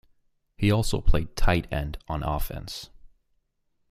He also played tight end on offense.